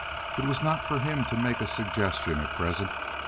It was not for him to make a suggestion at present.